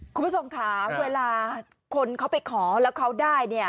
คุณผู้ชมค่ะเวลาคนเขาไปขอแล้วเขาได้เนี่ย